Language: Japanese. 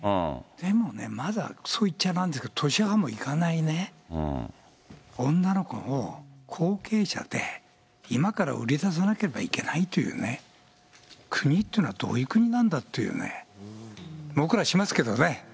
でもね、まだそう言っちゃなんだけど、年端もいかないね、女の子を、後継者で今から売り出さなければいけないっていうね、国っていうのはどういう国なんだっていうね、僕らしますけどね。